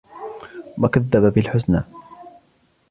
وكذب بالحسنى